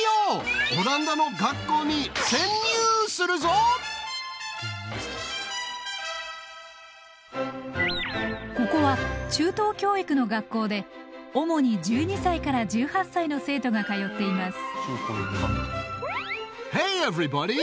オランダの学校にここは中等教育の学校で主に１２歳から１８歳の生徒が通っています。